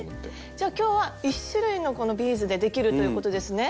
じゃあ今日は１種類のこのビーズでできるということですね。